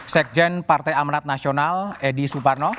sekjen partai amanat nasional edi suparno